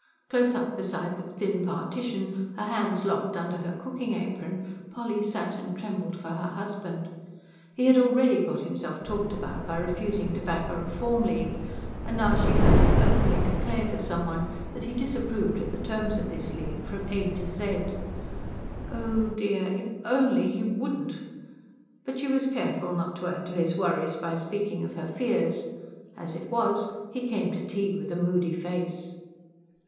Close up beside the thin partition, her hands locked under her cooking apron, Polly sat and trembled for her husband. He had already got himself talked about by refusing to back a Reform League; and now she heard him openly declare to some one that he disapproved of the terms of this League, from A to Z. Oh dear! If only he wouldn't. But she was careful not to add to his worries by speaking of her fears. As it was, he came to tea with a moody face.